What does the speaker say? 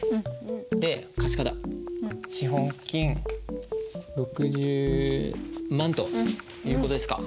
で貸方資本金６０万という事ですか。